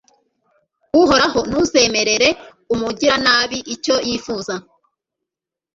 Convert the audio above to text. Uhoraho ntuzemerere umugiranabi icyo yifuza